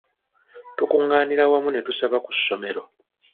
Tukungaanira wamu ne tusaba ku ssomero.